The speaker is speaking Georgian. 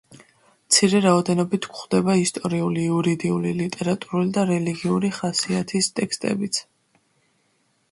მცირე რაოდენობით გვხვდება ისტორიული, იურიდიული, ლიტერატურული და რელიგიური ხასიათის ტექსტებიც.